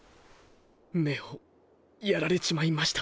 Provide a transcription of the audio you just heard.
眼をやられちまいました。